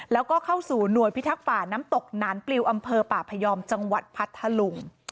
แล้วก็เข้าสู่หน่วยพิทักษ์ป่าน้ำตกหนานปลิวอำเภอป่าพยอมจังหวัดพัทธลุง